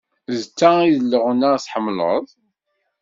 D ta i d leɣna tḥemmleḍ?